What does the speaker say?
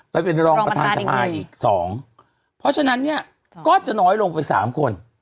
ไปเป็นรองประธานสภาอีกสองเพราะฉะนั้นเนี่ยก็จะน้อยลงไปสามคน